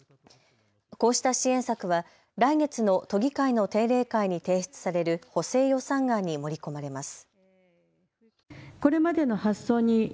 こうした支援策は来月の都議会の定例会に提出される補正予算案に盛り込まれます。